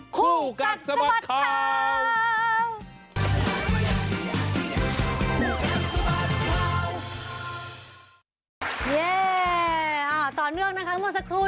คู่กันสะบัดข่าวคู่กันสะบัดข่าว